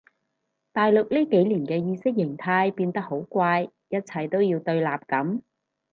大陸呢幾年嘅意識形態變得好怪一切都要對立噉